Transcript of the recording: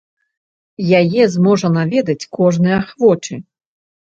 Яе зможа наведаць кожны ахвочы.